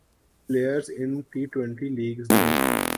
players in T twenty leagues نے